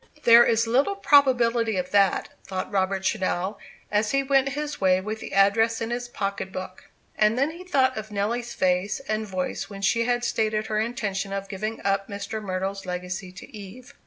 "There is little probability of that," thought Robert Channell, as he went his way with the address in his pocket book. And then he thought of Nelly's face and voice when she had stated her intention of giving up Mr. Myrtle's legacy to Eve.